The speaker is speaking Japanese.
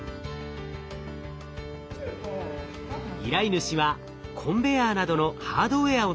依頼主はコンベヤーなどのハードウエアを作る会社。